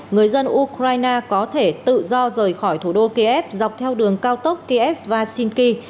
người dân ukraine có thể tự do rời khỏi thủ đô kiev dọc theo đường cao tốc kiev vasinki